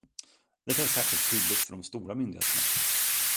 Detta är särskilt tydligt för de stora myndigheterna.